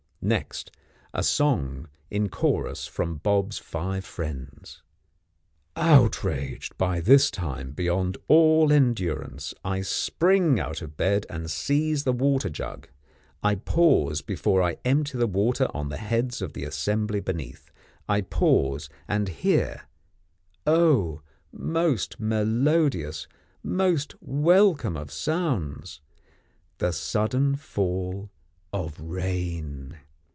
Next, a song in chorus from Bob's five friends. Outraged by this time beyond all endurance, I spring out of bed and seize the water jug. I pause before I empty the water on the heads of the assembly beneath; I pause, and hear O! most melodious, most welcome of sounds! the sudden fall of rain.